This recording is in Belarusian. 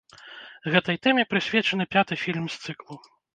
Гэтай тэме прысвечаны пяты фільм з цыклу.